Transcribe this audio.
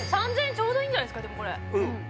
ちょうどいいんじゃないですかでもこれうん